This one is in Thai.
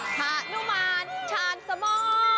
ผานุมารชาญสมอน